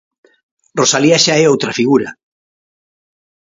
Rosalía xa é outra figura.